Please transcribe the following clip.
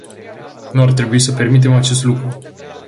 Nu ar trebui să permitem acest lucru.